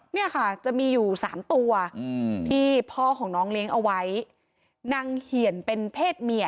เนี่ยค่ะจะมีอยู่สามตัวอืมที่พ่อของน้องเลี้ยงเอาไว้นางเหี่ยนเป็นเพศเมีย